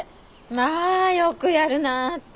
まあよくやるなあって。